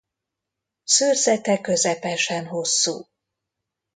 Szőrzete közepesen hosszú.